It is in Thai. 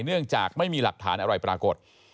เนื่องจากไม่มีหลักฐานอะไรปรากฏ